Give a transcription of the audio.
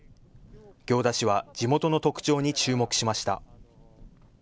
行田市は地元の特徴に注目しました。